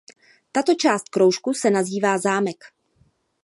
Tato část kroužku se nazývá zámek.